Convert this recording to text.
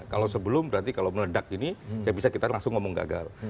kalau sebelum berarti kalau meledak gini ya bisa kita langsung ngomong gagal